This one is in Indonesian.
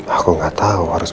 aku gak tau harus mulai dari mana